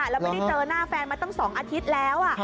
แล้วไม่ได้เจอหน้าแฟนมาตั้ง๒อาทิตย์แล้ว